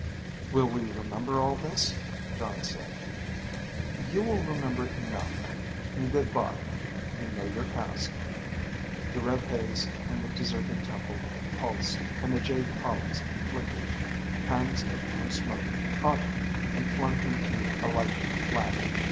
"Will we remember all this?" Jon asked. "You will remember enough. Good bye; you know your task." The red haze in the deserted temple pulsed and the jade columns flickered. Hands of blue smoke caught him and flung him through a lightning flash.